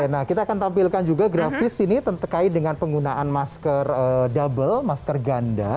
nah kita akan tampilkan juga grafis ini terkait dengan penggunaan masker double masker ganda